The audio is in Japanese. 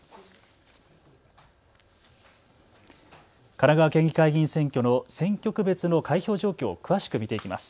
神奈川県議会議員選挙の選挙区別の開票状況を詳しく見ていきます。